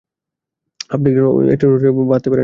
আপনি একজন অ্যাস্ট্রোনট হয়েও টাই বাঁধতে পারেন?